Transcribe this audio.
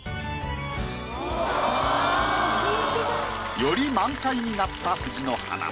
おお！より満開になった藤の花。